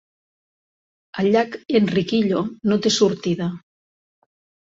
El llac Enriquillo no té sortida.